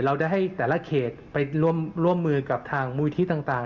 เราได้ให้แต่ละเขตไปร่วมมือกับทางมูลที่ต่าง